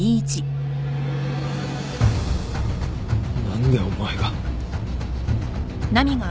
何でお前が！？